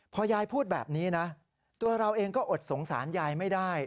พอยายพูดแบบนี้นะตัวเราเองก็อดสงสารยายไม่ได้